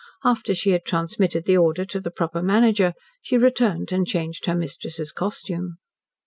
After she had transmitted the order to the proper manager she returned and changed her mistress's costume.